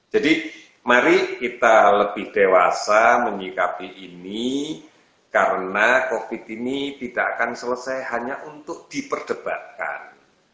mari kita lebih dewasa menyikapi ini karena covid ini tidak akan selesai hanya untuk diperdebatkan